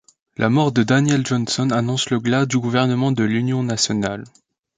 La mort de Daniel Johnson annonce le glas du gouvernement de l'Union nationale.